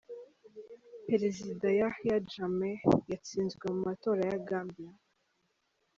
Perezida Yahya Jammeh yatsinzwe mu matora ya Gambia.